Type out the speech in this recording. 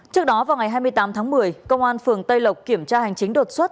trước đó vào ngày hai mươi tám tháng một mươi công an phường tây lộc kiểm tra hành chính đột xuất